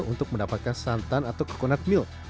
untuk mendapatkan santan atau coconut milk